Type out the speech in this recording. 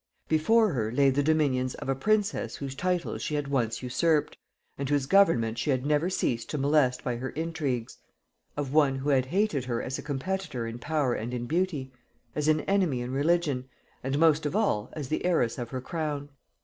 Before her lay the dominions of a princess whose titles she had once usurped, and whose government she had never ceased to molest by her intrigues, of one who had hated her as a competitor in power and in beauty, as an enemy in religion, and most of all as the heiress of her crown.